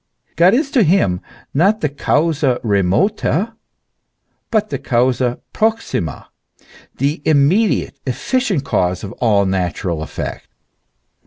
God is to him not the causa remota but the causa proximo,, the immediate, efficient cause of all natural effects.